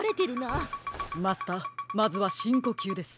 マスターまずはしんこきゅうです。